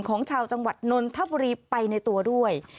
ของชาวจังหวัดนนทบุรีไปในตัวด้วย